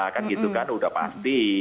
kan gitu kan udah pasti